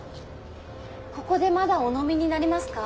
ここでまだお飲みになりますか？